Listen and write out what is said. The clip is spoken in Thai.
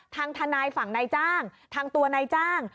ทางทนายฝั่งนายจ้างทางตัวนายจ้าง